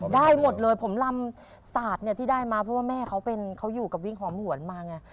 ได้หมดเลยผมลำศาสตร์เนี่ยที่ได้มาเพราะว่าแม่เขาเป็นเขาอยู่กับวิ่งหอมหวนมาไง